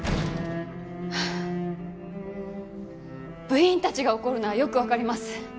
部員たちが怒るのはよくわかります。